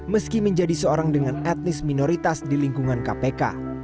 meski menjadi seorang dengan etnis minoritas di lingkungan kpk